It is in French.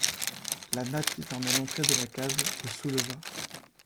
La natte qui fermait l’entrée de la case se souleva.